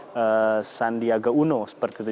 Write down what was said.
dan juga dengan sandiaga uno seperti itu